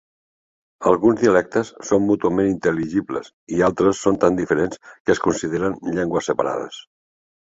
Alguns dialectes són mútuament intel·ligibles i altres són tan diferents que es consideren llengües separades.